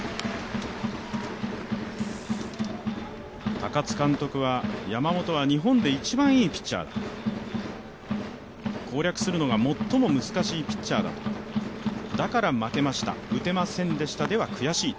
高津監督は、山本は日本で一番いいピッチャーだ、攻略するのが最も難しいピッチャーだとだから負けました、打てませんでしたでは悔しい。